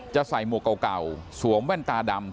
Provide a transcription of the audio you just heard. จะใส่หมวกเก่าสวมแว่นตาดำ